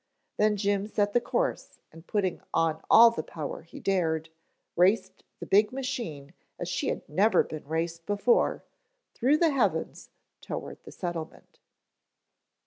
Then Jim set the course, and putting on all the power he dared, raced the big machine as she had never been raced before, through the heavens toward the settlement.